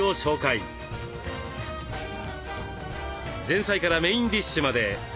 前菜からメインディッシュまで。